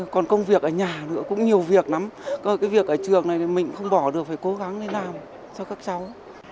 còn công việc ở nhà cũng nhiều việc lắm cái việc ở trường này mình cũng không bỏ được phải cố gắng để làm cho các cháu